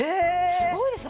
すごいですね。